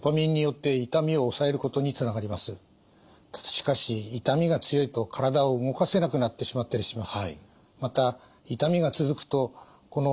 しかし痛みが強いと体を動かせなくなってしまったりします。